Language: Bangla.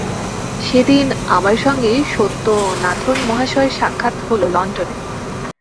সেদিন আমার সঙ্গে সত্যনাথন মহাশয়ের সাক্ষাৎ হল লণ্ডনে।